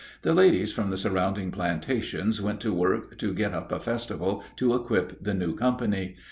The ladies from the surrounding plantations went to work to get up a festival to equip the new company.